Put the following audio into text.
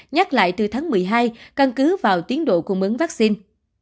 nhắc lại từ tháng một mươi hai căn cứ vào tiến độ cung ứng vaccine